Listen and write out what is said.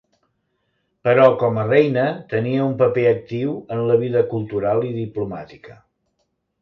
Però, com a reina, tenia un paper actiu en la vida cultural i diplomàtica.